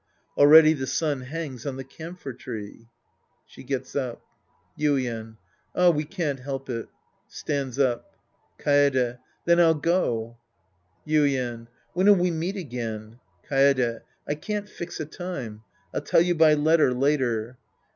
Already the sun hangs on the camphor tree. {Gets up.) Ytden. Ah, we can't help it. {Stands up.) Kaede. Then I'll go. Yuien. When'll we meet again ? Kaede. I can't fix a time. I'll tell you by letter later.